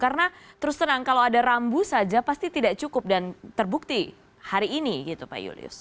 karena terus terang kalau ada rambu saja pasti tidak cukup dan terbukti hari ini gitu pak julius